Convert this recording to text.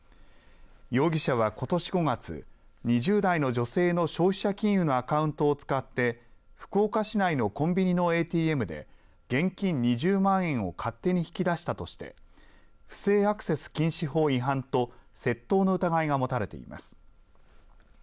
容疑者はことし５月２０代の女性の消費者金融のアカウントを使って福岡市内のコンビニのＡＴＭで現金２０万円を勝手に引き出したとして不正アクセス禁止法違反と窃盗の疑いが持たれています。